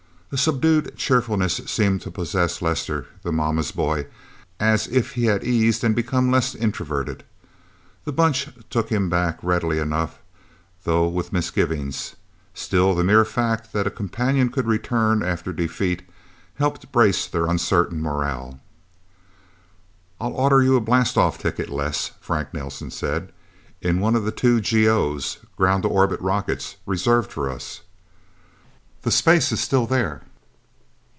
A subdued cheerfulness seemed to possess Lester, the mamma's boy, as if he had eased and become less introverted. The Bunch took him back readily enough, though with misgivings. Still, the mere fact that a companion could return, after defeat, helped brace their uncertain morale. "I'll order you a blastoff ticket, Les," Frank Nelsen said. "In one of the two GOs ground to orbit rockets reserved for us. The space is still there..."